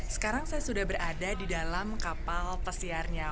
sekarang saya sudah berada di dalam kapal pesiarnya